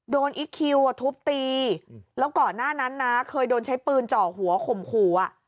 อีคคิวทุบตีแล้วก่อนหน้านั้นนะเคยโดนใช้ปืนเจาะหัวข่มขู่อ่ะ